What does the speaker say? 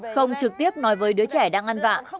không trực tiếp nói với đứa trẻ đang ăn vạ